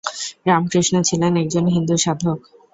রামকৃষ্ণ ছিলেন একজন হিন্দু সাধক।